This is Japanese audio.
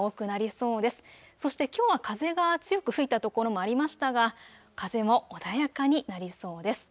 そしてきょうは風が強く吹いた所もありましたが風も穏やかになりそうです。